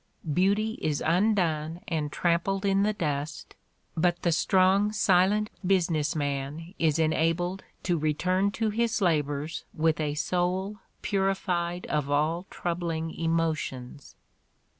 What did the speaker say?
Beauty is undone and trampled in the dust, but the strong, silent business man is enabled to return to his labors with a soul purified of all troubling emotions.